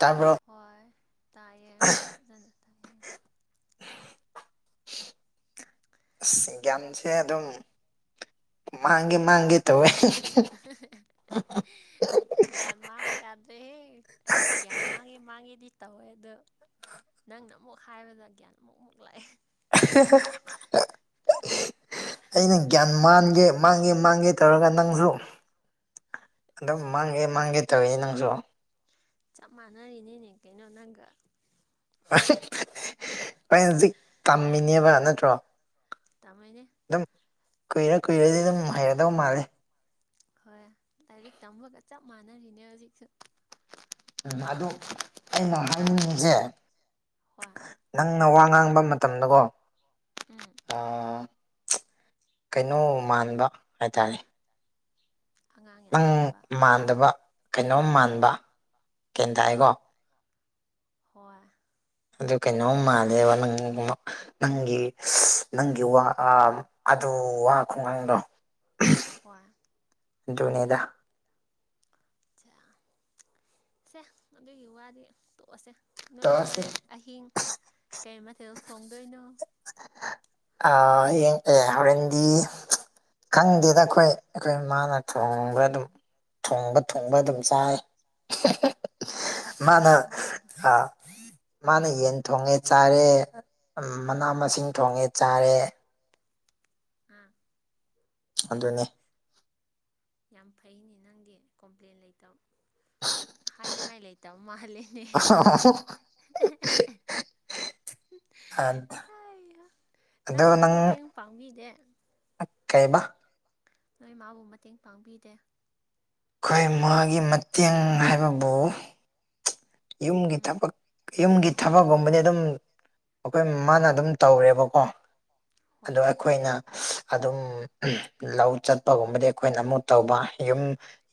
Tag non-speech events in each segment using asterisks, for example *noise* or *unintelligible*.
ꯇꯝꯕ꯭ꯔꯣ ꯍꯣꯏ ꯇꯥꯏꯌꯦ ꯐꯖꯅ ꯑꯁ ꯒ꯭ꯟꯁꯦ ꯑꯗꯨꯝ ꯃꯥꯥꯡꯒꯦ ꯃꯥꯥꯡꯒꯦ ꯇꯧꯌꯦ *inaudible* ꯒ꯭ꯌꯥꯟ ꯃꯥꯡꯕ ꯌꯥꯗꯦ ꯑꯩꯁꯨ ꯒ꯭ꯌꯥꯟ ꯃꯥꯡꯉꯦ ꯃꯥꯡꯉꯦꯗꯤ ꯇꯧꯋꯦ ꯑꯗ ꯅꯪꯅ ꯑꯃꯨꯛ ꯍꯥꯏꯕꯗ ꯒ꯭ꯌꯥꯟ ꯑꯃꯨꯛ ꯑꯃꯨꯛ ꯂꯥꯛꯑꯦ ꯑꯩꯅ ꯒ꯭ꯌꯥꯟ ꯃꯥꯟꯒꯦ ꯃꯥꯡꯒꯦ ꯃꯥꯡꯒꯦ ꯇꯧꯔꯒ ꯅꯪꯁꯨ ꯑꯗꯨꯝ ꯃꯥꯡꯒꯦ ꯃꯥꯡꯒꯦ ꯇꯧꯌꯦ ꯅꯪꯁꯨ ꯆꯞ ꯃꯥꯟꯅꯔꯤꯅꯦꯅꯦ ꯀꯩꯅꯣ ꯅꯪꯒ ꯍ ꯍꯣꯏ ꯍꯧꯖꯤꯛ ꯇꯝꯃꯤꯅꯦꯕ ꯅꯠꯇ꯭ꯔꯣ ꯇꯥꯃꯥꯏꯅꯦ ꯑꯗꯨꯝ ꯀꯨꯏꯔ ꯀꯨꯏꯔꯗꯤ ꯑꯗꯨꯝ ꯍꯩꯔꯗꯕ ꯃꯥꯜꯂꯦ ꯍꯣꯏ ꯂꯥꯏꯔꯤꯛ ꯇꯝꯃꯒ ꯆꯞ ꯃꯥꯟꯅꯔꯤꯅꯦ ꯍꯧꯖꯤꯛꯁꯨ ꯎꯝ ꯑꯗꯨ ꯑꯩꯅ ꯍꯥꯏꯅꯤꯡꯉꯤꯁꯦ ꯍꯣꯏ ꯅꯪꯅ ꯋꯥ ꯉꯥꯡꯕ ꯃꯇꯝꯗꯀꯣ ꯎꯝ ꯑ ꯀꯩꯅꯣ ꯃꯥꯟꯕ ꯍꯥꯏꯇꯥꯔꯦ ꯑꯉꯥꯡ ꯌꯥꯝ ꯅꯪ ꯃꯥꯟꯕ ꯃꯥꯟꯗꯕ ꯀꯩꯅꯣꯝ ꯃꯥꯟꯕ ꯑꯥ ꯒ꯭ꯌꯟ ꯇꯥꯏꯀꯣ ꯍꯣꯏ ꯑꯗꯨ ꯀꯩꯅꯣꯝ ꯃꯥꯜꯂꯦꯕ ꯅꯪ ꯅꯪꯒꯤ ꯅꯪꯒꯤ ꯎ ꯋꯥ ꯈꯣꯡꯒꯥꯡꯗꯣ ꯍꯣꯏ ꯑꯗꯨꯅꯦꯗꯥ ꯁꯦ ꯑꯗꯨꯒꯤ ꯋꯥꯗꯤ ꯇꯣꯛꯑꯁꯦ ꯅꯣꯏ ꯇꯧꯔꯁꯤ ꯍꯣꯔꯦꯟ ꯑꯍꯤꯡ ꯀꯩ ꯃꯊꯦꯜ ꯁꯣꯡꯗꯣꯏꯅꯣ ꯑ ꯌꯦꯡ ꯑꯦ ꯍꯣꯔꯦꯟꯗꯤ ꯈꯪꯗꯦꯗ ꯑꯈꯣꯏ ꯑꯩꯈꯣꯏ ꯃꯥꯅ ꯊꯣꯡꯕ ꯑꯗꯨꯝ ꯊꯣꯡꯕ ꯊꯨꯡꯕ ꯑꯆꯥ ꯑꯗꯨꯝ ꯆꯥꯏ ꯑꯣ ꯃꯥꯅ ꯅꯪꯅꯗꯤ ꯃꯥꯅ ꯌꯦꯟ ꯊꯣꯡꯉꯦ ꯆꯥꯔꯦ ꯃꯅꯥ ꯑꯥ ꯃꯁꯤꯡ ꯊꯣꯡꯉꯦ ꯆꯥꯔꯦ ꯎꯝ ꯑꯗꯨꯅꯦ ꯌꯥꯝ ꯐꯩꯅꯦ ꯅꯪꯒꯤ ꯀꯣꯝꯄ꯭ꯂꯦꯟ ꯂꯩꯇꯕ *inaudible* ꯍꯥꯏꯅꯉꯥꯏ ꯂꯩꯇꯕ ꯃꯥꯂꯦꯅꯦ ꯅꯪꯗꯤ ꯃꯇꯦꯡ ꯄꯥꯡꯕꯤꯗꯦ ꯑ ꯀꯩꯕ *unintelligible* ꯅꯣꯏ ꯃꯥꯕꯨ ꯃꯇꯦꯡ ꯄꯥꯡꯕꯤꯗꯦ ꯑꯩꯈꯣꯏ ꯃꯥꯒꯤ ꯃꯇꯦꯡ ꯍꯥꯏꯕꯕꯨ ꯌꯨꯝꯒꯤ ꯎꯝ ꯊꯕꯛ ꯌꯨꯝꯒꯤ ꯊꯕꯛꯒꯨꯝꯕꯗꯤ ꯑꯗꯨꯝ ꯑꯩꯈꯣꯏ ꯃꯥꯅ ꯑꯗꯨꯝ ꯇꯧꯔꯦꯕꯀꯣ ꯍꯣꯏ ꯑꯣ ꯑꯩꯈꯣꯏꯅ ꯑꯗꯨꯝ ꯂꯧ ꯆꯠꯄꯒꯨꯝꯕꯗꯤ ꯑꯩꯈꯣꯏꯅ ꯑꯃꯨꯛ ꯇꯧꯕ ꯌꯨꯝ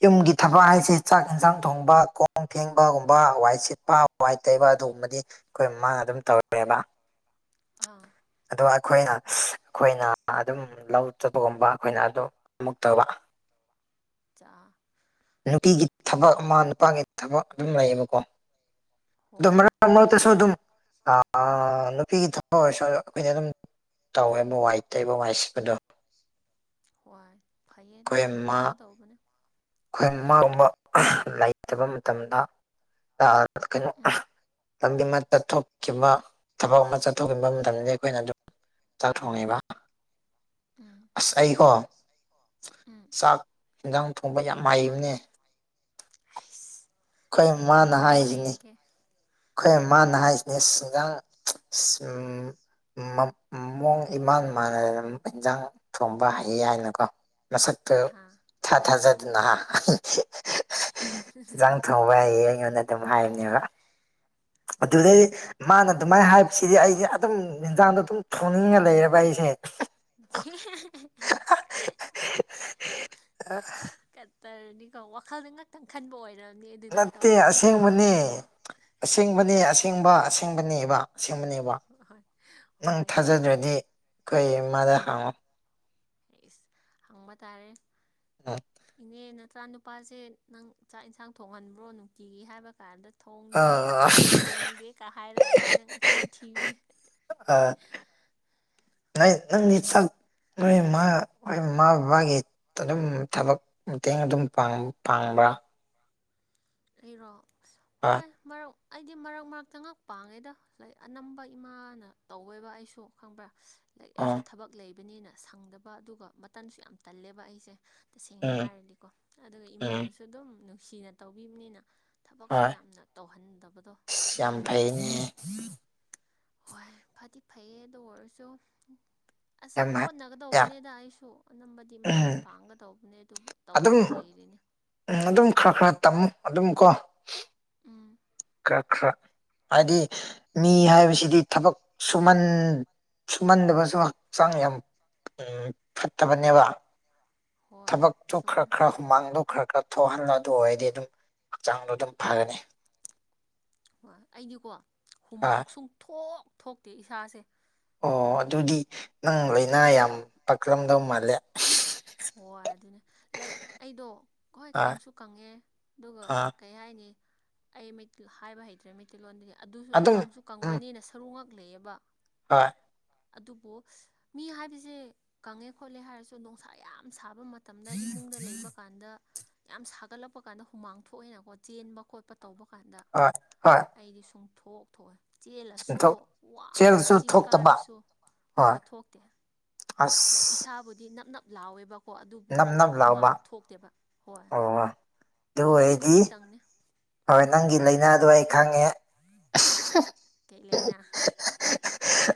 ꯌꯨꯝꯒꯤ ꯊꯛ ꯊꯕ ꯍꯥꯏꯁꯦ ꯆꯥꯛ ꯌꯦꯟꯁꯥꯡ ꯊꯣꯡꯕ ꯈꯣꯡ ꯊꯦꯡꯕꯒꯨꯝꯕ ꯋꯥꯏꯠ ꯁꯤꯠꯄ ꯋꯥꯏꯠ ꯇꯩꯕ ꯑꯗꯨꯒꯨꯝꯕꯗꯤ ꯑꯩꯈꯣꯏ ꯃꯃꯥꯡꯗ ꯑꯗꯨꯝ ꯇꯧꯔꯦꯕ ꯑꯥ ꯑꯗꯣ ꯑꯩꯈꯣꯏꯅ ꯑꯩꯈꯣꯏꯅ ꯑꯗꯨꯝ ꯂꯧꯖꯕꯒꯨꯝꯕ ꯑꯩꯈꯣꯏꯅ ꯑꯗꯨ ꯑꯃꯨꯛꯇꯧꯕ ꯆ *inaudible* ꯅꯨꯄꯤꯒꯤ ꯊꯕꯛ ꯃꯥ ꯅꯨꯄꯥꯒꯤ ꯊꯕꯛ ꯑꯗꯨꯝ ꯂꯩꯌꯦꯕꯀꯣ ꯍꯣꯏ ꯑꯗꯨꯔ ꯁꯣ ꯑꯗꯨ ꯑ ꯅꯨꯄꯤꯒꯤ ꯊ ꯑꯩꯈ ꯑꯗꯨꯝ ꯇꯧꯋꯦ ꯃ ꯋꯥꯏ ꯇꯩꯕ ꯋꯥꯏꯁꯤꯕꯗꯣ ꯍꯣꯏ ꯐꯩꯌꯦ ꯑꯗꯨꯃꯥꯏꯅ ꯇꯧꯒ ꯇꯧꯕꯅꯦ ꯑꯩꯈꯣꯏ ꯃꯥꯕ ꯂꯩꯇꯕ ꯃꯇꯝꯗ ꯀꯩꯅꯣ ꯎꯝ ꯇꯝ ꯃꯥ ꯆꯠꯊꯣꯛꯈꯤꯕ ꯊꯕꯛ ꯑꯃ ꯆꯠꯊꯣꯛꯈꯤꯕ ꯃꯇꯝꯗ ꯑꯩꯈꯣꯏꯅ ꯑꯗꯨꯝ ꯆꯥꯛꯊꯣꯡꯉꯕ ꯎꯝ ꯑꯁ ꯑꯩꯀꯣ ꯎꯝ ꯆꯥꯛ ꯌꯦꯟꯖꯥꯡ ꯈꯣꯡꯕ ꯌꯥꯝ ꯃꯥꯏꯕꯅꯦ ꯑꯁ ꯑꯩꯈꯣꯏ ꯀꯩꯀꯩ ꯃꯥꯅ ꯊꯣꯡꯕ ꯍꯥꯏꯁꯤꯅꯤ ꯍꯩꯔꯒꯦ ꯑꯩꯈꯣꯏ ꯎꯝ ꯃꯥꯅ ꯍꯥꯏꯁꯤꯅꯤ ꯁꯤꯡꯖꯥꯡ ꯎꯝ ꯃꯡ ꯏꯃꯥꯟ ꯃꯥꯟꯅꯅ ꯏꯟꯖꯥꯡ ꯊꯣꯡꯕ ꯍꯩ ꯍꯥꯏꯅꯀꯣ ꯃꯁꯛꯇꯨ ꯑꯥ ꯑꯁ ꯊꯥ ꯊꯥꯖꯗꯅꯍ ꯏꯟꯖꯥꯡ ꯊꯣꯡꯕ ꯍꯥꯏꯌꯦ ꯑꯩꯉꯣꯟꯗ ꯑꯗꯨꯝ ꯍꯥꯏꯕꯅꯦꯕ ꯑꯗꯨꯗꯩꯗꯤ ꯃꯥꯅ ꯑꯗꯨꯃꯥꯏꯅ ꯍꯥꯏꯕꯁꯤꯗꯤ ꯑꯩꯁꯦ ꯑꯗꯨꯝ ꯌꯦꯟꯖꯥꯡꯗꯣ ꯑꯗꯨꯝ ꯊꯣꯡꯅꯤꯡꯉ ꯂꯩꯕ ꯑꯩꯁꯦ *unintelligible* ꯇꯔꯅꯤꯀꯣ ꯋꯥꯈꯜꯗꯤ ꯉꯥꯛꯇꯪ ꯈꯟꯕ ꯑꯣꯏꯔ ꯅꯠꯇꯦ ꯑꯁꯦꯡꯕꯅꯦ ꯑꯁꯦꯡꯕꯅꯤ ꯑꯁꯦꯡꯕ ꯑꯁꯦꯡꯕꯅꯦꯕ ꯁꯦꯝꯦꯡꯕꯅꯦꯕ ꯍꯣꯏ ꯅꯪ ꯍꯣꯏꯅꯦ ꯊꯥꯖꯗ꯭ꯔꯗꯤ ꯑꯩꯈꯣꯏꯃꯗ ꯍꯥꯡꯉꯣ ꯁ ꯍꯪꯕ ꯇꯥꯔꯦ ꯏꯅꯦꯅ ꯏꯆꯥ ꯅꯨꯨꯄꯥꯁꯦ ꯅꯪ ꯆꯥꯛ ꯏꯟꯁꯥꯡ ꯊꯣꯡꯍꯟꯕ꯭ꯔꯣ ꯅꯨꯡꯇꯤꯒꯤ ꯍꯥꯏꯕ ꯀꯥꯟꯗ ꯊꯣꯡꯗꯦ ꯑꯥ ꯁꯨꯡꯊꯣꯡ ꯊꯣꯡꯗꯦ ꯀ ꯍꯥꯏꯔꯛꯑꯗꯤ ꯅꯪꯅ ꯆꯤꯟ ꯊꯤꯕꯅꯦ ꯑ ꯅꯪ ꯅꯪ ꯒꯤ ꯆꯛ ꯍꯣꯏ ꯃꯥ ꯍꯣꯏ ꯏꯃꯥ ꯕꯕꯥꯒꯤ ꯑꯗꯨꯝ ꯊꯕꯛ ꯃꯇꯦꯡ ꯑꯗꯨꯝ ꯄꯥꯥꯡ ꯄꯥꯡ ꯕ ꯑꯩꯔꯣ ꯑꯁ ꯍꯣꯏ ꯃꯔꯛ ꯑꯩꯗꯤ ꯃꯔꯛ ꯃꯔꯛꯇ ꯉꯥꯛ ꯄꯥꯡꯉꯦꯗ ꯂꯥꯏꯛ ꯑꯅꯝꯕ ꯏꯃꯥꯅ ꯇꯧꯋꯦꯕ ꯑꯩꯁꯨ ꯈꯪꯕ꯭ꯔꯥ ꯂꯥꯏꯛ ꯑꯣ ꯑꯩꯁꯨ ꯊꯕꯛ ꯂꯩꯕꯅꯤꯅ ꯁꯪꯗꯕ ꯑꯗꯨꯒ ꯃꯇꯟꯁꯨ ꯌꯥꯝ ꯇꯜꯂꯦꯕ ꯑꯩꯁꯦ ꯇꯁꯦꯡꯅ ꯎꯝ ꯍꯥꯏꯔꯗꯤꯀꯣ ꯑꯗꯨꯒ ꯎꯝ ꯏꯃꯥꯅꯁꯨ ꯑꯗꯨꯝ ꯅꯨꯡꯁꯤꯅ ꯇꯧꯕꯤꯝꯅꯤꯅ ꯊꯕꯛꯁꯨ ꯍꯣꯏ ꯌꯥꯝꯅ ꯇꯧꯍꯟꯗꯕꯗꯣ ꯑꯁ ꯌꯥꯝ ꯑꯗꯨꯒꯤꯀꯣ ꯐꯩꯅꯦ ꯍꯣꯏ ꯐꯗꯤ ꯐꯩꯌꯦ ꯑꯗꯨ ꯑꯣꯏꯔꯁꯨ ꯑꯁ ꯌꯥꯝ ꯌꯥꯝ ꯍꯣꯠꯅꯒꯗꯧꯕꯅꯦꯗ ꯑꯩꯁꯨ ꯑꯅꯝꯕꯗꯤ ꯃꯇꯦꯡ ꯎꯝ ꯄꯥꯡꯒꯗꯧꯕꯅꯦꯗ ꯑꯗꯨꯝ ꯎꯝ ꯑꯗꯨꯝ ꯈꯔ ꯈꯔ ꯇꯝꯃꯨ ꯑꯗꯨꯝ ꯀꯣ ꯎꯝ ꯈ ꯈꯔ ꯍꯥꯏꯗꯤ ꯃꯤ ꯍꯥꯏꯕꯁꯤꯗꯤ ꯊꯕꯛ ꯁꯨꯃꯟ ꯁꯨꯃꯟꯗꯕꯁꯨ ꯍꯛꯆꯥꯡ ꯌꯥꯝ ꯐꯠꯇꯕꯅꯦꯕ ꯍꯣꯏ ꯊꯕꯛꯇꯨ ꯈꯔ ꯆꯨꯝꯃꯦ ꯈꯔ ꯍꯨꯃꯥꯡꯗꯣ ꯈꯔ ꯈꯔ ꯊꯣꯛꯍꯂꯣ ꯑꯗꯨ ꯑꯣꯏꯔꯗꯤ ꯑꯗꯨꯝ ꯍꯛꯆꯥꯡꯗꯣ ꯑꯗꯨꯝ ꯐꯒꯅꯤ ꯍꯣꯏ ꯑꯩꯗꯤꯀꯣ ꯑ ꯍꯨꯃꯥꯡ ꯁꯨꯡ ꯊꯣꯛ ꯊꯣꯛꯇꯦ ꯏꯁꯥꯁꯦ ꯑꯣ ꯑꯗꯨꯗꯤ ꯅꯪ ꯂꯣꯏꯅꯥ ꯌꯥꯝ ꯄꯥꯛꯔꯝꯗꯧ ꯃꯥꯜꯂꯦ ꯍꯣꯏ ꯑꯗꯨꯅꯦ ꯂꯥꯏꯠ ꯑꯩꯗꯣ ꯍꯣꯏ ꯀꯪꯁꯨ ꯀꯪꯉꯦ ꯑꯗꯨꯒ ꯑꯥ ꯀꯩ ꯍꯥꯏꯅꯤ ꯑꯩ ꯍꯥꯏꯕ ꯍꯩꯇ꯭ꯔꯦ ꯃꯩꯇꯩꯂꯣꯟꯗꯗꯤ ꯑꯗꯨꯁꯨ ꯑꯗꯨꯝ ꯀꯪꯁꯨ ꯎꯝ ꯀꯪꯕꯅꯤꯅ ꯁꯔꯨꯉꯛ ꯂꯩꯌꯦꯕ ꯍꯣꯏ ꯑꯗꯨꯕꯨ ꯃꯤ ꯍꯥꯏꯕꯁꯦ ꯀꯪꯉꯦ ꯈꯣꯠꯂꯦ ꯍꯥꯏꯔꯁꯨ ꯅꯨꯡꯁꯥ ꯌꯥꯝ ꯁꯥ ꯕ ꯃꯇꯝꯗ ꯏꯃꯨꯡꯗ ꯂꯩꯕ ꯀꯥꯟꯗ ꯌꯥꯝ ꯁꯥꯒꯠꯂꯛꯄ ꯀꯥꯟꯗ ꯍꯨꯃꯥꯡ ꯊꯣꯛꯑꯦꯅꯀꯣ ꯆꯦꯟꯕ ꯈꯣꯠꯄ ꯇꯧꯕ ꯀꯥꯟꯗ ꯍꯣꯏ ꯍꯣꯏ ꯑꯩꯗꯤ ꯁꯨꯡ ꯊꯣꯛ ꯊꯣꯛꯑꯣꯏ ꯆꯦꯜꯂꯁꯨ ꯁꯦꯟꯊꯣꯛ ꯋꯥꯅ ꯁꯦꯜꯁꯨ ꯆꯤꯡ ꯊꯣꯛꯇꯕ ꯀꯥꯔꯁꯨ ꯍꯣꯏ ꯊꯣꯛꯇꯦ ꯑꯁ ꯏꯁꯥꯕꯨꯗꯤ ꯅꯞ ꯅꯞ ꯂꯥꯎꯋꯦꯕ ꯀꯣ ꯑꯗꯨꯕꯨ ꯅꯞ ꯅꯞ ꯂꯥꯎꯕ ꯍꯨꯃꯥꯡ ꯊꯣꯛꯇꯦꯕ ꯍꯣꯏ ꯑꯣ ꯑꯗꯨ ꯑꯗꯨꯁꯨ ꯑꯩꯗꯤ ꯈꯖꯤꯛꯇꯪꯅꯦ ꯍꯣꯏ ꯅꯪꯒꯤ ꯂꯥꯏꯅꯥꯗꯣ ꯑꯩ ꯈꯪꯉꯦ ꯑꯁ ꯀꯩ ꯂꯩꯅ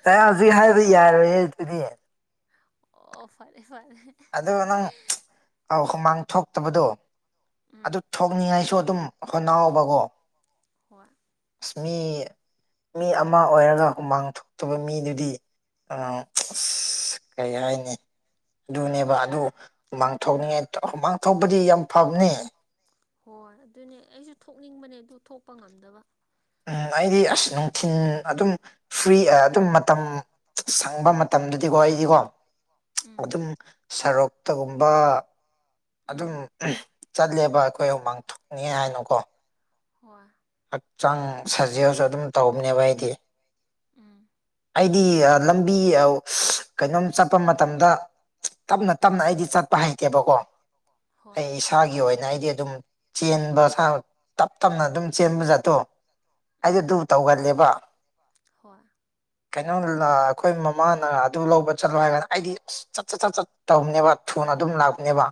ꯑꯩ ꯍꯧꯖꯤꯛ ꯍꯥꯏꯕ ꯌꯥꯔꯣꯏꯌꯦ ꯇꯨꯗꯤ ꯑꯣ ꯐꯔꯦ ꯐꯔꯦ ꯑꯗꯣ ꯅꯪ ꯑ ꯍꯨꯃꯥꯡ ꯊꯣꯛꯇꯕꯗꯣ ꯎꯝ ꯑꯗꯨ ꯊꯣꯛꯅꯤꯡꯉꯥꯏꯁꯨ ꯑꯗꯨꯝ ꯍꯣꯅꯥꯑꯣꯕꯀꯣ ꯍꯣꯏ ꯃꯤ ꯃꯤ ꯑꯃ ꯑꯣꯏꯔꯒ ꯍꯨꯃꯥꯡ ꯊꯣꯛꯇꯕ ꯃꯤꯗꯨꯗꯤ ꯑ ꯑꯁ ꯀꯩ ꯍꯥꯏꯅꯤ ꯑꯗꯨꯅꯦꯕ ꯑꯗꯨ ꯍꯣꯏ ꯃꯥꯡꯊꯣꯛꯅꯤꯡꯉꯥꯏ ꯍꯨꯃꯥꯡꯊꯣꯛꯄꯗꯤ ꯌꯥꯝ ꯐꯕꯅꯤ ꯍꯣꯏ ꯑꯗꯨꯅꯦ ꯑꯩꯁꯨ ꯊꯣꯛꯅꯤꯡꯕꯅꯦ ꯑꯗꯨ ꯊꯣꯛꯄ ꯉꯝꯗꯕ ꯎꯝ ꯑꯩꯗꯤ ꯑꯁ ꯅꯨꯡꯊꯤꯟ ꯑꯗꯨꯝ ꯐ꯭ꯔꯤ ꯑꯗꯨꯝ ꯃꯇꯝ ꯁꯪꯕ ꯃꯇꯝꯗꯗꯤꯀꯣ ꯑꯩꯗꯤꯀꯣ ꯎꯝ ꯑꯗꯨꯝ ꯁꯔꯣꯛꯇꯒꯨꯝꯕ ꯎꯝ ꯑꯗꯨꯝ ꯆꯠꯂꯦꯕ ꯑꯩꯈꯣꯏ ꯎꯃꯥꯡ ꯊꯣꯛꯅꯤꯉ ꯍꯥꯏꯅꯀꯣ ꯍꯣꯏ ꯆꯥꯡ ꯁꯥꯖꯦꯁꯨ ꯑꯗꯨꯝ ꯇꯧꯕꯅꯦꯕ ꯑꯩꯗꯤ ꯎꯝ ꯑꯩꯗꯤ ꯂꯝꯕꯤ ꯀꯩꯅꯣꯝ ꯆꯠꯄ ꯃꯇꯝꯗ ꯇꯞꯅ ꯇꯞꯅ ꯎꯝ ꯑꯩꯗꯤ ꯆꯠꯄ ꯍꯩꯇꯦꯕꯀꯣ ꯍꯣꯏ ꯑꯩ ꯏꯁꯥꯒꯤ ꯑꯣꯏ ꯩꯅ ꯍꯥꯏꯗꯤ ꯑꯗꯨꯝ ꯆꯦꯟꯕ ꯁꯥ ꯇꯞ ꯇꯞꯅ ꯑꯗꯨꯝ ꯆꯦꯟꯕ ꯖꯥꯠꯇꯣ ꯑꯩꯗꯣ ꯎꯝ ꯑꯗꯨꯗꯨ ꯇꯧꯒꯜꯂꯦꯕ ꯍꯣꯏ ꯀꯩꯅꯣ ꯑꯩꯈꯣꯏ ꯃꯃꯥꯅ ꯑꯗꯨ ꯂꯧꯕ ꯆꯠꯂꯣ ꯍꯥꯏꯔ ꯀꯗ ꯑꯩꯗꯤ ꯑꯁ ꯆꯠ ꯆꯠ ꯆꯠ ꯆꯠ ꯇꯧꯅꯦꯕ ꯊꯨꯅ ꯑꯗꯨꯝ ꯂꯥꯛꯅꯦꯕ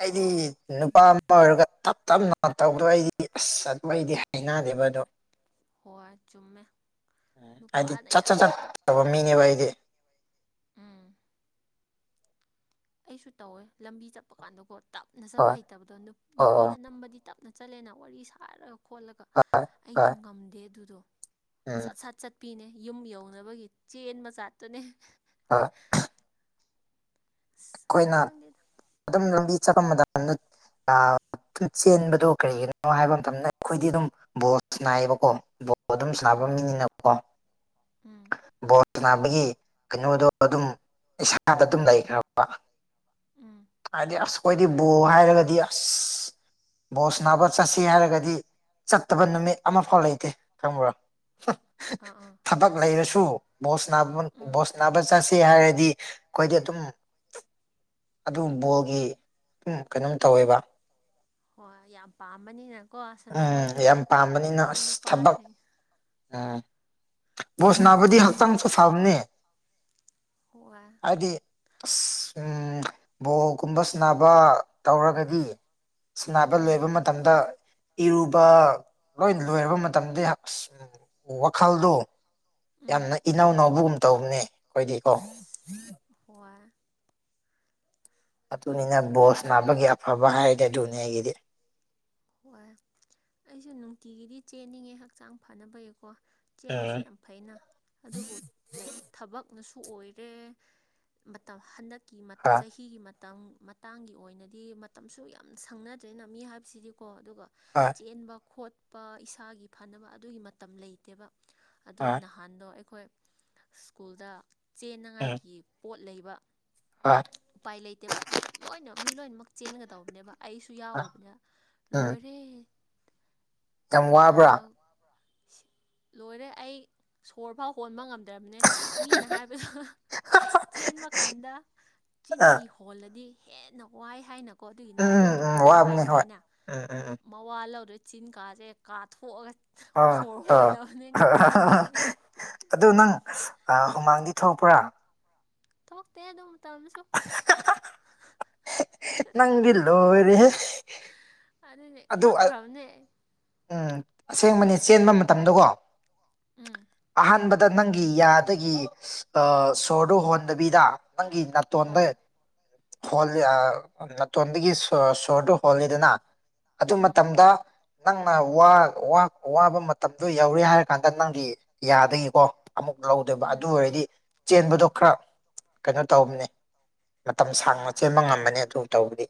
ꯑꯩꯗꯤ ꯎꯝ ꯅꯨꯄꯥ ꯑꯃ ꯑꯣꯏꯔꯒ ꯇꯞ ꯇꯞꯅ ꯇꯧꯗꯣꯏ ꯑꯩꯗꯤ ꯑꯁ ꯆꯠꯄ ꯑꯩꯗꯤ ꯍ ꯅꯥꯗꯤꯦꯕꯗꯨꯣ ꯍꯣꯏ ꯆꯨꯝꯃꯦ ꯎꯝ ꯍꯥꯏꯗꯤ ꯅꯨꯄꯥꯅ ꯆꯠ ꯆꯠ ꯌꯥꯝ ꯇꯞꯄ ꯆꯠꯇꯕ ꯇꯞꯄꯗꯣ ꯃꯤꯅꯦꯕ ꯑꯩꯗꯤ ꯎꯝ *unintelligible* ꯑꯩꯁꯨ ꯇꯧꯋꯦ ꯂꯝꯕꯤ ꯆꯠꯄ ꯀꯥꯟꯗꯀꯣ ꯇꯞꯅ ꯍꯣꯏ ꯆꯠꯄ ꯍꯩꯇꯕꯗꯣ ꯍꯣꯏ ꯅꯨꯄꯤ ꯍꯣꯏ ꯑꯅꯝꯕꯗꯤ ꯇꯞꯅ ꯠ ꯆꯠꯂꯦꯅ ꯋꯥꯔꯤ ꯁꯥꯔꯒ ꯈꯣꯠꯂꯒ ꯍꯣꯏ ꯑꯩꯗꯤ ꯍꯣꯏ ꯉꯝꯗꯦ ꯑꯗꯨꯗꯣ ꯎꯝ ꯁꯠ ꯁꯠ ꯆꯠ ꯅꯨꯄꯤꯅꯦ ꯌꯨꯝ ꯌꯧꯅꯕꯒꯤ ꯆꯦꯟ ꯃꯆꯥꯠꯇꯅꯦ ꯍꯥ ꯑꯁ ꯑꯩꯈꯣꯏꯅ ꯈꯪꯗꯦꯗ ꯑꯗꯨꯝ ꯂꯝꯕꯤ ꯆꯠꯄ ꯃꯇꯝ ꯆꯦꯟꯕꯗꯣ ꯀꯔꯤꯒꯤꯅꯣ ꯍꯥꯏꯕ ꯃꯇꯝꯗ ꯑꯩꯈꯣꯏꯗꯤ ꯑꯗꯨꯝ ꯕꯣꯁ ꯅꯥꯏꯌꯦꯕꯀꯣ ꯑꯗꯨꯝ ꯁꯥꯟꯅꯕ ꯍꯣꯏ ꯃꯤꯅꯤꯅꯀꯣ ꯎꯝ ꯁꯥꯟꯅꯕꯒꯤ ꯀꯩꯅꯣꯗꯣ ꯑꯗꯨꯝ ꯏꯁꯥꯗ ꯑꯗꯨꯝ ꯂꯩꯈ꯭ꯔꯕ ꯎꯝ ꯍꯥꯏꯗꯤ ꯑꯁꯈꯣꯏꯗꯤ ꯕꯣ ꯍꯥꯏꯔꯒꯗꯤ ꯑꯁ ꯕꯣꯁ ꯅꯥꯕ ꯆꯠꯁꯤ ꯍꯥꯏꯔꯒꯗꯤ ꯆꯠꯇꯕ ꯅꯨꯃꯤꯠ ꯑꯃꯐꯥꯎ ꯂꯩꯇꯦ ꯈꯪꯕ꯭ꯔꯣ ꯑꯥ ꯑꯥ ꯊꯕꯛ ꯂꯩꯔꯁꯨ ꯑꯁ ꯕꯣꯁ ꯅꯥ ꯎꯝ ꯕꯣꯁ ꯅꯥꯕ ꯆꯠꯁꯤ ꯁꯦ ꯍꯥꯏꯔꯗꯤ ꯑꯩꯈꯣꯏꯗꯤ ꯑꯗꯨꯝ ꯑꯗꯨꯝ ꯕꯣꯜꯒꯤ ꯑꯗꯨꯝ ꯀꯩꯅꯣꯝ ꯇꯧꯋꯦꯕ ꯍꯣꯏ ꯌꯥꯝ ꯄꯥꯝꯕꯅꯤꯅꯀꯣ ꯁꯥꯟꯅꯕ ꯎꯝ ꯑꯗꯨꯗꯣ ꯌꯥꯝ ꯄꯥꯝꯕꯅꯤꯅ ꯅꯣꯏ ꯑꯁ ꯊꯕꯛ ꯅꯨꯄꯥꯁꯤꯡ ꯎꯝ ꯕꯣꯁ ꯅꯥꯕꯗꯤ ꯍꯛꯆꯥꯡꯁꯨ ꯐꯕꯅꯦ ꯍꯣꯏ ꯑꯗꯗꯤ ꯑꯁ ꯎ ꯕꯣꯜꯒꯨꯝꯕ ꯁꯕ ꯇꯧꯔꯒꯗꯤ ꯁꯅꯥꯕ ꯎꯝ ꯂꯣꯏꯕ ꯃꯇꯝꯗ ꯏꯔꯨꯕ ꯂꯣꯏ ꯂꯣꯏꯔꯕ ꯃꯇꯝꯗ ꯋꯥꯈꯜꯗꯣ ꯎꯝ ꯌꯥꯝꯅ ꯏꯅꯥꯎꯅꯥꯎꯧꯕꯒꯨꯝ ꯇꯧꯕꯅꯦ ꯑꯩꯈꯣꯏꯗꯤꯀꯣ ꯑꯁ ꯍꯣꯏ ꯑꯗꯨꯅꯤꯅ ꯑꯩꯗꯤ ꯕꯣꯁ ꯅꯥꯕꯒꯤ ꯑꯐꯕ ꯍꯥꯏꯔꯦ ꯑꯗꯨꯅꯦ ꯑꯩꯒꯤꯗꯤ ꯍꯣꯏ ꯑꯩꯁꯨ ꯅꯨꯡꯇꯤꯒꯤꯗꯤ ꯆꯦꯟꯅꯤꯡꯉꯦ ꯍꯛꯆꯥꯡ ꯐꯅꯕꯌꯦꯀꯣ ꯆꯦꯟꯕꯁꯨ ꯎꯝ ꯌꯥꯝ ꯐꯩꯅ ꯑꯗꯨꯕꯨ ꯂꯥꯏꯛ ꯊꯕꯛꯅꯁꯨ ꯑꯣꯏꯔꯦ ꯃꯇꯝ ꯍꯟꯗꯛꯀꯤ ꯍꯣꯏ ꯆꯍꯤꯒꯤ ꯈꯤ ꯃꯇꯥꯡꯒꯤ ꯑꯣꯏꯅꯗꯤ ꯃꯇꯝꯁꯨ ꯌꯥꯝ ꯁꯪꯅꯗ꯭ꯔꯦꯅ ꯃꯤ ꯍꯥꯏꯕꯁꯤꯗꯤꯀꯣ ꯑꯗꯨꯒ ꯍꯣꯏ ꯆꯦꯟꯕ ꯈꯣꯠꯄ ꯏꯁꯥꯒꯤ ꯐꯅꯕ ꯑꯗꯨꯒꯤ ꯃꯇꯝ ꯂꯩꯇꯦꯕ ꯑꯗꯣ ꯍꯣꯏ ꯅꯍꯥꯟꯗꯣ ꯑꯩꯈꯣꯏ ꯁ꯭ꯀꯨꯜꯗ ꯎꯝ ꯆꯦꯟꯅꯉꯥꯏꯒꯤ ꯄꯣꯠ ꯂꯩꯕ ꯍꯣꯏ ꯎꯄꯥꯏ ꯂꯩꯇꯦꯕ ꯂꯣꯏꯅꯃꯛ ꯃꯤ ꯂꯣꯏꯅꯃꯛ ꯆꯦꯟꯒꯗꯧꯕꯅꯦꯕ ꯑꯩꯁꯨ ꯌꯥꯎꯔꯕꯅꯦ ꯎꯝ ꯂꯣꯏꯔꯦ ꯌꯥꯝ ꯋꯥꯕ꯭ꯔꯥ ꯂꯣꯏꯔꯦ ꯑꯩ ꯁꯣꯔ ꯐꯥꯎ ꯍꯣꯟꯕ ꯉꯝꯗꯦ ꯅꯦ ꯃꯤꯅ ꯍꯥꯏꯕꯗꯣ ꯆꯦꯟꯕ ꯀꯥꯟꯗ ꯑ ꯆꯤꯟꯗꯒꯤ ꯍꯣꯜꯂꯗꯤ ꯍꯦꯟꯅ ꯋꯥꯏ ꯍꯥꯏꯅꯀꯣ ꯑꯗꯨꯒꯤ ꯅꯥꯇꯣꯟꯅ ꯎꯝ ꯎꯝ ꯍꯣꯜꯂꯣ ꯋꯥꯕꯅꯤ ꯍꯥꯏꯅ ꯍꯣꯏ ꯍꯥꯏꯅ ꯎꯝ ꯎꯝ ꯎꯝ ꯃꯋꯥ ꯂꯧꯔꯣꯏ ꯆꯤꯟ ꯀꯥꯁꯦ ꯀꯥꯊꯣꯛꯑꯒ ꯑ ꯁꯣꯔ ꯑ ꯍꯣꯜꯂꯕꯅꯦ ꯉꯝꯃꯟꯗꯕꯩ ꯑꯗꯨꯗ ꯅꯪ ꯑ ꯍꯨꯃꯥꯡꯒꯤ ꯊꯣꯛꯣꯡꯄ꯭ꯔꯥ ꯊ ꯇꯗꯣ ꯇꯃꯦꯁꯨ ꯅꯪꯂꯣ ꯑꯣꯏꯔ ꯑꯅꯦ ꯉꯈꯧꯅꯦ ꯑꯁꯦꯡꯕꯅꯦ ꯆꯦꯟꯕ ꯃꯇꯝꯗꯀꯣ ꯎꯝ ꯑꯍꯥꯟꯕꯗ ꯗ ꯅꯪꯒꯤ ꯌꯥꯗꯒꯤ ꯁꯣꯔꯗꯨ ꯍꯣꯟꯗꯕꯤꯗ ꯅꯪꯤ ꯉꯠꯇꯣꯗꯦ ꯍꯣꯏ ꯍꯣꯜꯂꯤ ꯅꯥꯇꯣꯟꯗꯒꯤ ꯁꯣꯔꯗꯨ ꯍꯣꯜꯂꯤꯗꯅ ꯑꯗꯨ ꯎꯝ ꯃꯇꯝꯗ ꯅꯪꯅ ꯋꯥꯕ ꯃꯇꯝꯗꯣ ꯌꯧꯔꯦ ꯍꯥꯏꯔ ꯀꯥꯟꯗ ꯅꯪꯒꯤ ꯌꯥꯗꯒꯤꯀꯣ ꯂꯧꯗꯕ ꯎꯝ ꯑꯗꯨ ꯑꯣꯏꯔꯗꯤ ꯆꯦꯟꯕꯗꯣ ꯈꯔ ꯀꯩꯅꯣ ꯇꯧꯝꯅꯦ ꯃꯇꯝ ꯁꯥꯡꯅ ꯍꯣꯏ ꯆꯦꯟꯕ ꯉꯝꯕꯅꯤ ꯑꯗꯨ ꯇꯧꯗꯤ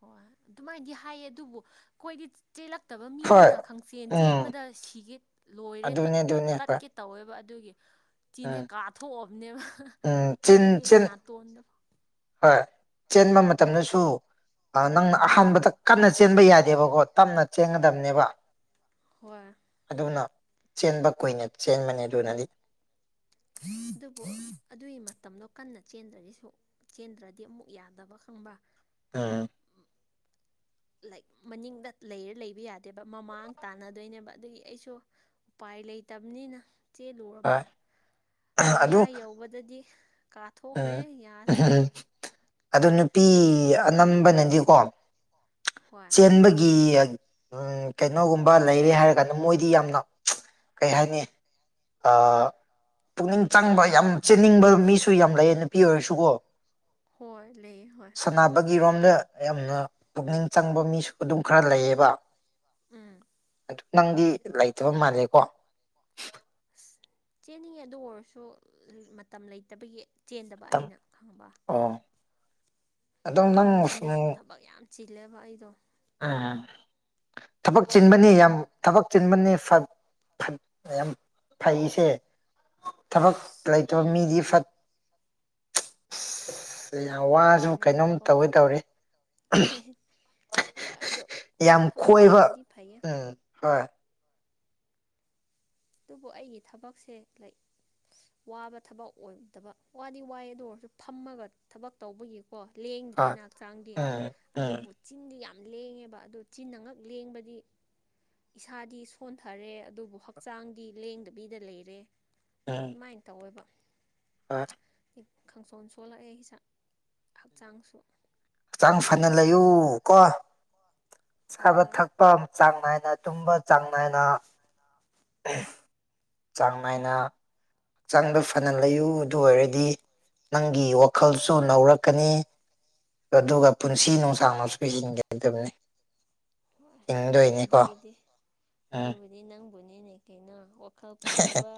ꯍꯣꯏ ꯑꯗꯨꯃꯥꯏꯅꯗꯤ ꯍꯥꯏꯌꯦ ꯑꯗꯨꯕꯨ ꯑꯩꯈꯣꯏꯗꯤ ꯆꯦꯜꯂꯛꯇꯕ ꯍꯣꯏ ꯃꯤꯅꯤꯅ ꯈꯪꯆꯦꯟ ꯎꯝ ꯆꯦꯟꯕꯗ ꯁꯤꯒꯤ ꯂꯣꯏꯔꯦ ꯑꯗꯨꯅꯦ ꯑꯗꯨꯅꯦ ꯍꯣꯏ ꯇꯠꯀꯦ ꯇꯧꯋꯦꯕ ꯑꯗꯨꯒꯤ ꯆꯤꯅꯦꯦ ꯎꯝ ꯀꯥꯊꯣꯛꯑꯕꯅꯦꯕ ꯎꯝ ꯆꯤꯟ ꯑꯩꯗꯤ ꯆꯤꯟ ꯅꯥꯇꯣꯟꯗꯕ ꯍꯣꯏ ꯆꯦꯟꯕ ꯃꯇꯝꯗꯁꯨ ꯅꯪꯅ ꯎꯝ ꯑꯍꯥꯟꯕꯗ ꯀꯟꯅ ꯆꯦꯟꯕ ꯌꯥꯗꯦꯕꯀꯣ ꯇꯞꯅ ꯆꯦꯟꯒꯗꯕꯅꯦꯕ ꯍꯏ ꯑꯗꯨꯅ ꯆꯦꯟꯕ ꯀꯨꯏꯅ ꯆꯦꯟꯕꯅꯦ ꯑꯗꯨꯅꯗꯤ ꯑꯗꯨꯕꯨ ꯑꯗꯨꯒꯤ ꯃꯇꯝꯗꯣ ꯀꯟꯅ ꯆꯦꯟꯗ꯭ꯔꯗꯤꯁꯨ ꯆꯦꯟꯗ꯭ꯔꯗꯤ ꯑꯃꯨꯛ ꯌꯥꯗꯕ ꯈꯪꯕ ꯑꯝ ꯂ ꯃꯅꯤꯡꯗ ꯂꯩꯔ ꯂꯩꯕ ꯌꯥꯗꯦꯕ ꯃꯃꯥꯡ ꯇꯥꯟꯅꯗꯣꯏꯅꯦꯕ ꯑꯗꯒꯤ ꯑꯩꯁꯨ ꯎꯄꯥꯏ ꯂꯩꯇꯕꯅꯤꯅ ꯆꯦꯜꯂꯨꯔꯕ ꯍꯣꯏ ꯑꯗꯨ ꯃꯌꯥ ꯌꯧꯕꯗꯗꯤ ꯀꯥꯊꯣꯛꯈ꯭ꯔꯦ ꯌꯥꯁꯦ ꯑ ꯅꯨꯄꯤ ꯑꯅꯝꯕꯅꯗꯤꯀꯣ ꯍꯣꯏ ꯆꯦꯟꯕꯒꯤ ꯎꯝ ꯀꯩꯅꯣꯒꯨꯝꯕ ꯂꯩꯔꯦ ꯍꯥꯏꯔ ꯀꯥꯟꯗ ꯃꯣꯏꯗꯤ ꯌꯥꯝꯅ ꯀꯩ ꯍꯥꯏꯅꯤ ꯄꯨꯛꯅꯤꯡ ꯆꯪꯕ ꯌꯥꯝ ꯆꯦꯟꯅꯤꯡꯕ ꯃꯤꯁꯨ ꯁꯨ ꯌꯥꯝ ꯂꯩꯌꯦ ꯅꯨꯄꯤ ꯑꯣꯏꯔꯁꯨꯀꯣ ꯍꯣꯏ ꯂꯩ ꯍꯣꯏ ꯑꯩꯒꯤꯔꯣꯝꯗ ꯌꯥꯝꯅ ꯄꯨꯛꯅꯤꯡ ꯆꯪꯕ ꯃꯤꯁꯨ ꯑꯗꯨꯝ ꯈꯔ ꯂꯩꯌꯦꯕ ꯎꯝ ꯅꯪꯗꯤ ꯂꯩꯇꯕ ꯃꯥꯜꯂꯦꯀꯣ ꯑꯁ ꯆꯦꯟꯅꯤꯡꯉꯦ ꯑꯗꯨ ꯑꯣꯏꯔꯁꯨ ꯃꯇꯝ ꯂꯩꯇꯕꯒꯤ ꯆꯦꯟꯗꯕ ꯑꯩꯅ ꯈꯪꯕ ꯑꯦꯣ ꯅꯪꯉꯃꯣ ꯁꯅꯨ ꯆꯤꯂꯕ ꯑꯩꯗꯣ ꯎꯝ ꯊꯕꯛ ꯆꯤꯟꯕꯅꯤ ꯌꯥꯝ ꯊꯕꯛ ꯆꯤꯟꯕꯅꯤ ꯌꯥꯝ ꯐꯩꯁꯦ ꯊꯕꯛ ꯑꯁ ꯂꯩꯇꯕ ꯃꯤꯗꯤ ꯐꯠ ꯑ ꯌꯥꯝ ꯋꯥꯁꯨ ꯀꯩꯅꯣꯝ ꯐꯠꯇꯕꯅꯦꯕꯀꯣ ꯇꯧꯋꯤ ꯇꯧꯔꯤ ꯍ ꯑꯗꯨꯗꯣ ꯌꯥꯝ ꯀꯣꯏꯕ ꯎꯝ ꯍꯣꯏ ꯑꯗꯨꯕꯨ ꯑꯩꯒꯤ ꯊꯕꯛꯁꯦ ꯂꯩ ꯋꯥꯕ ꯊꯕꯛ ꯑꯣꯏꯗꯕ ꯋꯥꯗꯤ ꯋꯥꯏꯑ ꯑꯗꯨ ꯑꯣꯏꯔꯁꯨ ꯐꯝꯃꯒ ꯊꯕꯛ ꯇꯧꯕꯒꯤ ꯀꯣ ꯍꯣꯏ ꯂꯦꯡꯗ꯭ꯔꯦꯅ ꯍꯛꯆꯥꯡꯗꯤ ꯎꯝ ꯎꯝ ꯑꯗꯨꯕꯨ ꯆꯤꯡꯗꯤ ꯌꯥꯝ ꯂꯦꯡꯉꯦꯕ ꯑꯗꯨ ꯆꯤꯟꯅ ꯉꯛ ꯂꯦꯡꯕꯗꯤ ꯏꯁꯥꯗꯤ ꯁꯣꯟꯊꯔꯦ ꯑꯗꯨꯕꯨ ꯍꯛ ꯍꯛꯆꯥꯡꯗꯤ ꯂꯦꯡꯗꯕꯤꯗ ꯂꯩꯔꯦ ꯑꯗꯨꯃꯥꯏꯅ ꯇꯧꯋꯦꯕ ꯑ ꯈ ꯀꯥꯡꯁꯣꯟ ꯁꯣꯛꯜꯂꯛꯑꯦ ꯍꯖꯥꯛ ꯍꯛꯆꯥꯡꯁꯨ ꯍꯛꯆꯥꯡ ꯐꯅ ꯂꯩꯌꯨ ꯀꯣ ꯆꯥꯕ ꯍꯣꯏ ꯊꯛꯄ ꯆꯥꯡ ꯅꯥꯏꯅ ꯇꯨꯝꯕ ꯆꯥꯡ ꯅꯥꯏꯅ ꯆꯥꯡ ꯅꯥꯏꯅ ꯍꯛꯆꯥꯡꯗ ꯐꯅ ꯂꯩꯌꯨ ꯑꯗꯨ ꯑꯣꯏꯔꯗꯤ ꯅꯪꯒꯤ ꯋꯥꯈꯜꯁꯨ ꯅꯧꯔꯛꯀꯅꯤ ꯑꯗꯨꯒ ꯄꯨꯟꯁꯤ ꯍꯣꯏ ꯅꯨꯡꯁꯥꯡꯅꯁꯨ ꯄꯤꯁꯤꯟꯒꯗꯕꯅꯤ ꯍꯣꯏ ꯑꯁ ꯑꯗꯨꯕꯨꯗꯤ ꯎꯝ ꯑꯗꯨꯕꯨꯗꯤ ꯅꯪꯕꯨꯅꯦꯅꯦ ꯀꯩꯅꯣ ꯋꯥꯈꯜ ꯐꯅꯕ